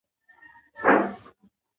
اوښ د افغانستان د زرغونتیا یوه نښه ده.